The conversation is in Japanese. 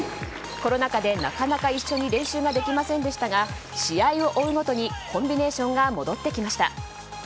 コロナ禍で、なかなか一緒に練習ができませんでしたが試合を追うごとにコンビネーションが戻ってきました。